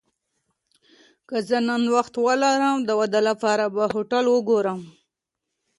که زه نن وخت ولرم، د واده لپاره به هوټل وګورم.